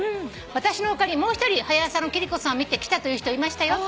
「私の他にもう一人『はや朝』の貴理子さんを見て来たという人いましたよ。